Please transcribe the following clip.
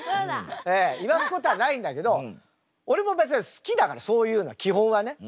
言わすことはないんだけど俺も別に好きだからそういうのは基本はね。